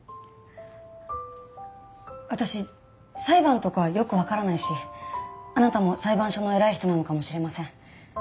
私裁判とかよくわからないしあなたも裁判所の偉い人なのかもしれません。